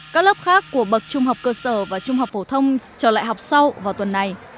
các lớp khác của bậc trung học cơ sở và trung học phổ thông trở lại học sau vào tuần này